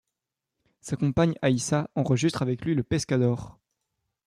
Sa compagne Aïssa enregistre avec lui le Pescador.